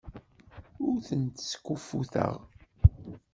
Ur tent-skuffuteɣ.